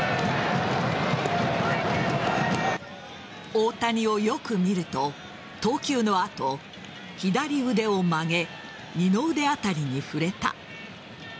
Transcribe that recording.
大谷をよく見ると、投球の後左腕を曲げ二の腕あたりに触れた。